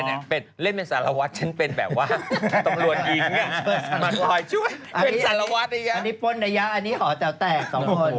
อ๋ออันนี้เล่นเป็นสารวัส